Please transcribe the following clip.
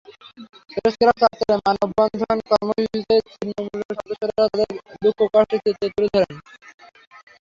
Press club চত্বরের মানববন্ধন কর্মসূচিতে ছিন্নমূলের সদস্যরা তাঁদের দুঃখ-কষ্টের চিত্র তুলে ধরেন।